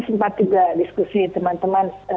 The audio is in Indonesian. sempat juga diskusi teman teman